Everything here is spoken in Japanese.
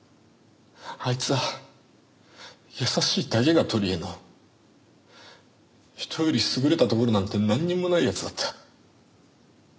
あいつは優しいだけが取りえの人より優れたところなんてなんにもない奴だった。